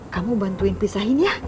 kamu bantuin pisahin ya